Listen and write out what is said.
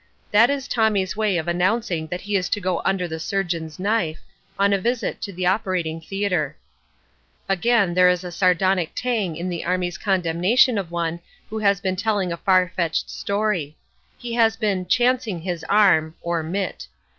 That is Tommy's way of announcing that he is to go under the surgeon's knife, on a visit to the operating theatre. Again, there is a sardonic tang in the army's condemnation of one who has been telling a far fetched story: he has been "chancing his arm" (or "mit").